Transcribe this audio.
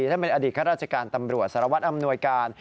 ที่เป็นอดิษฐะราชการธรรมบราชการสารวัตน์อำนวยการ